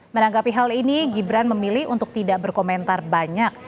menanggapi hal ini gibran memilih untuk tidak berkomentar banyak